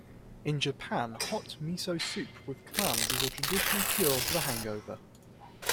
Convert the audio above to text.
In Japan, hot miso soup with clams is a traditional cure for the hangover.